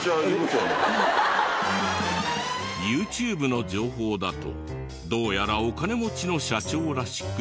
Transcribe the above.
ＹｏｕＴｕｂｅの情報だとどうやらお金持ちの社長らしく。